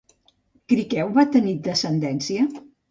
Cicreu va tenir descendència?